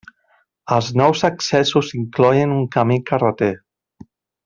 Els nous accessos incloïen un camí carreter.